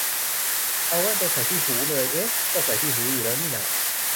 เอาแว่นไปใส่ที่หูเลย เอ๊ะ ก็ใส่ที่หูอยู่แล้วนี่นา